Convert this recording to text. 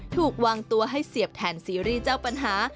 ถูกวางตัวให้เสียบแทนซีรีส์เจ้าปัญหา